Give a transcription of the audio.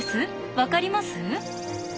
分かります？